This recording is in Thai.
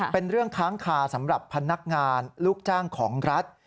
เป็นเรื่องค้างคาสำหรับพนักงานลูกจ้างของรัฐ